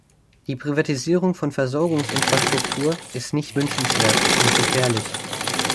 Die Privatisierung von Versorgungsinfrastruktur ist nicht wünschenswert und gefährlich.